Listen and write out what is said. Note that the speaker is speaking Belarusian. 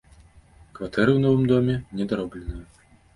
Кватэры ў новым доме недаробленыя.